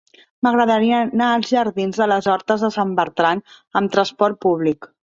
M'agradaria anar als jardins de les Hortes de Sant Bertran amb trasport públic.